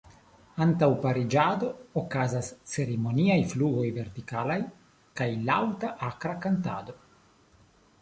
Antaŭ pariĝado okazas ceremoniaj flugoj vertikalaj kaj laŭta akra kantado.